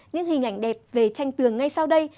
những hình ảnh đẹp về tranh tường ngay sau đây